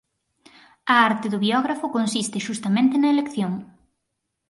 A arte do biógrafo consiste xustamente na elección.